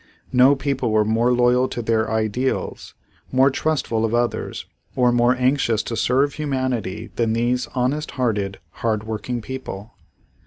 No people were more loyal to their ideals, more trustful of others or more anxious to serve humanity than these honest hearted, hard working people.